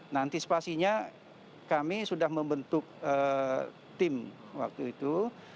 nah antisipasinya kami sudah membentuk tim waktu itu